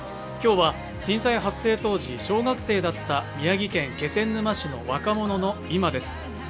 きょうは震災発生当時小学生だった宮城県気仙沼市の若者の今です